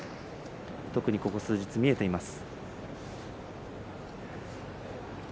特に、ここ数日は見えています。